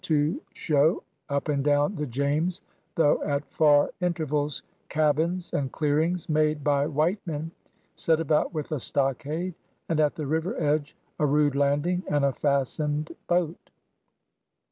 Sm THOMAS DALE 81 show, up and down the James though at far inter vals, cabins and clearings made by white men, set about with a stockade, and at the river edge a rude landing and a fastened boat.